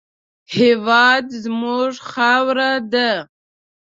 هېواد زموږ خاوره ده